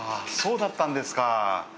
そうだったんですか。